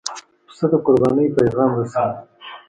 پسه د قربانۍ پیغام رسوي.